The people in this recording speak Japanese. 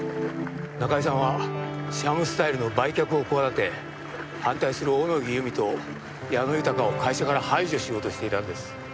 中井さんはシャムスタイルの売却を企て反対する小野木由美と矢野豊を会社から排除しようとしていたんです。